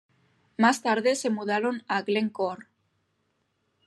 Más tarde se mudaron a Glen Corr.